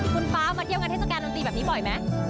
คุณฟ้ามาเที่ยวงานเทศกาลดนตรีแบบนี้บ่อยไหม